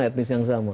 etnis yang sama